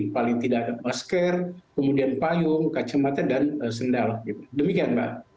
paling tidak ada masker kemudian payung kacamata dan sendal demikian mbak